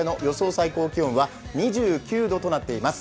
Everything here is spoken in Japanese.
最高気温は２９度となっています。